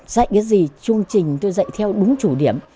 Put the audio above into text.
dạy cái gì chương trình tôi dạy theo đúng chủ điểm